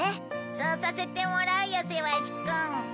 そうさせてもらうよセワシくん。